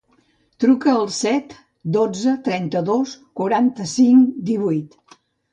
Truca al set, dotze, trenta-dos, quaranta-cinc, divuit.